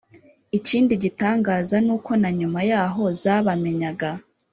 Ikindi gitangaza ni uko na nyuma yaho zabamenyaga